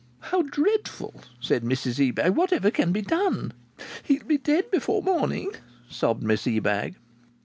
"How dreadful!" said Mrs Ebag. "Whatever can be done?" "He'll be dead before morning," sobbed Miss Ebag.